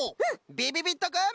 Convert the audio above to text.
びびびっとくん。